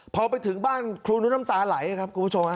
พอไปถึงบ้านครูนุษย์น้ำตาไหลครับคุณผู้ชม